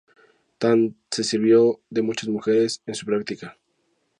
Tan se sirvió de muchas mujeres en su práctica.